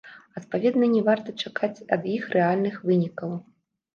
Адпаведна не варта чакаць ад іх рэальных вынікаў.